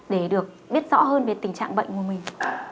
để được biết rõ hơn về tình trạng bệnh của mình